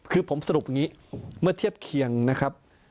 คือผมสรุปอย่างนี้เมื่อเทียบเคียงนะครับ